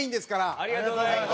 ありがとうございます。